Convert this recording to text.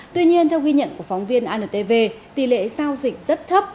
tuy nhiên theo ghi nhận của phóng viên antv tỷ lệ giao dịch rất thấp